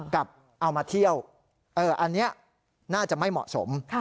เอามาเที่ยวอันนี้น่าจะไม่เหมาะสม